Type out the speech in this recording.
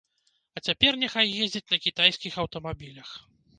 А цяпер няхай ездзяць на кітайскіх аўтамабілях.